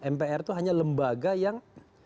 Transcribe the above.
mpr itu hanya lembaga yang